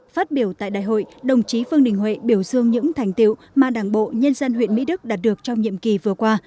phát biểu tại đại hội đồng chí vương đình huệ biểu dương những thành tiệu mà đảng bộ nhân dân huyện mỹ đức đạt được trong nhiệm kỳ vừa qua